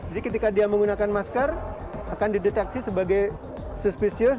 jadi ketika dia menggunakan masker akan dideteksi sebagai suspicious